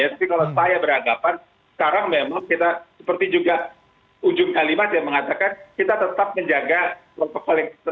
tapi kalau saya beranggapan sekarang memang kita seperti juga ujung kalimat yang mengatakan kita tetap menjaga protokol kesehatan